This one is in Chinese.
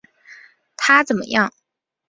他怎么样？